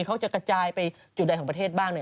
เขาจะกระจายไปจุดใดของประเทศบ้าง